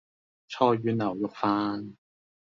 菜遠牛肉飯